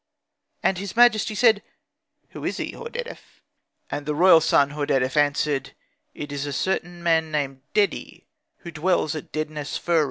And his majesty said, "Who is he, Hordedef?" And the royal son Hordedef answered, "It is a certain man named Dedi, who dwells at Dedsneferu.